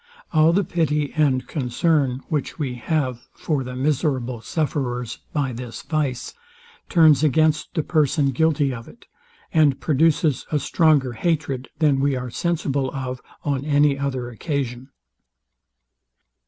All the pity and concern which we have for the miserable sufferers by this vice, turns against the person guilty of it, and produces a stronger hatred than we are sensible of on any other occasion.